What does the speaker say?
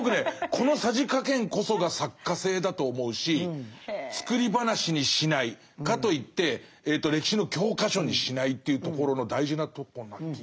このさじ加減こそが作家性だと思うし作り話にしないかといって歴史の教科書にしないというところの大事なとこな気が。